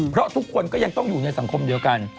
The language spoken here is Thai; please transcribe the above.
เพราะทุกคนก็ยังต้องอยู่ในสังคมเดียวกัน